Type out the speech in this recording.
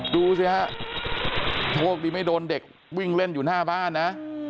ดูสิฮะโชคดีไม่โดนเด็กวิ่งเล่นอยู่หน้าบ้านนะ